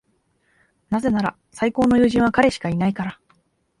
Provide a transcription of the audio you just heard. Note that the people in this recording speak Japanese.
なぜなら、最高の友人は彼しかいないから。